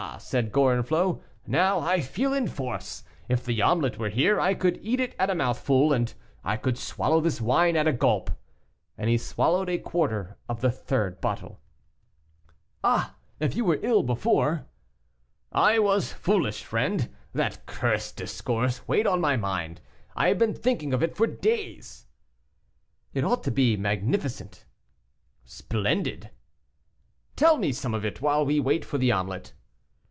said Gorenflot, "now I feel in force; if the omelet were here, I could eat it at a mouthful, and I swallow this wine at a gulp." And he swallowed a quarter of the third bottle. "Ah! you were ill before." "I was foolish, friend; that cursed discourse weighed on my mind; I have been thinking of it for days." "It ought to be magnificent." "Splendid." "Tell me some of it while we wait for the omelet."